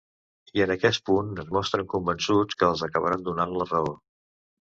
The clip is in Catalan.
I en aquest punt es mostren convençuts que els acabaran donant la raó.